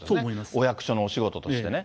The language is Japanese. お役所のお仕事としてね。